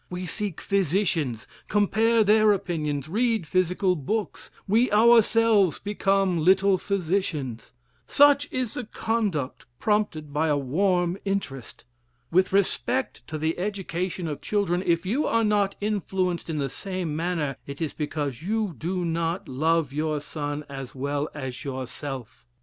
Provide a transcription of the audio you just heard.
We seek physicians, compare their opinions, read physical books, we ourselves become little physicians. Such is the conduct prompted by a warm interest. With respect to the education of children, if you are not influenced in the same manner, it is because you do not love your son as well as yourself.